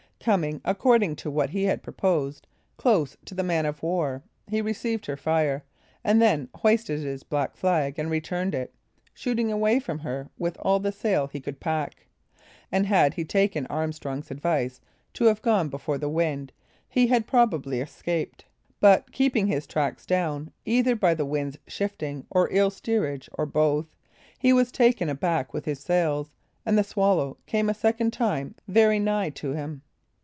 Coming, according to what he had purposed, close to the man of war, he received her fire, and then hoisted his black flag and returned it, shooting away from her with all the sail he could pack; and had he taken Armstrong's advice to have gone before the wind, he had probably escaped; but keeping his tacks down, either by the wind's shifting, or ill steerage, or both, he was taken aback with his sails, and the Swallow came a second time very nigh to him.